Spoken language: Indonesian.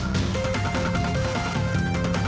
itu terlalu idlep lah